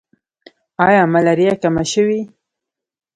آیا ملاریا کمه شوې؟